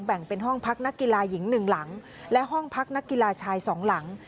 แบ่งเป็นห้องพักนักกีฬาหญิงหนึ่งหลังและห้องพักนักกีฬาชายสองหลัง